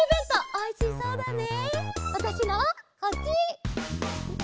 おいしそうだね。